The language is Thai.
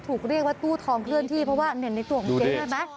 ถูกเรียกว่าตู้ทองเคลื่อนที่เพราะว่าในตัวของเจ๊ใช่ไหม